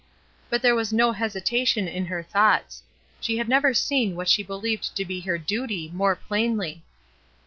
But there was no hesitation in her thoughts; she had never seen what she beUeved to be her duty more plainly.